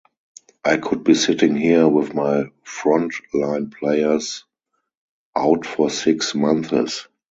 I could be sitting here with my front-line players out for six months.